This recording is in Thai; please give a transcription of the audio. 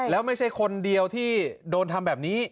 แล้วไม่ใช่คนเดียวที่โดนทำแบบนี้